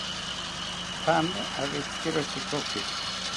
Thame awetzikiro chekopi